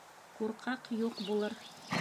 Ҡурҡаҡ юҡ булыр.